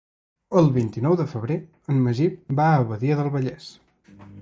El vint-i-nou de febrer en Magí va a Badia del Vallès.